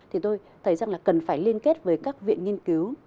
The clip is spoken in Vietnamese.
thì tôi thấy rằng là cần phải liên kết với các viện nghiên cứu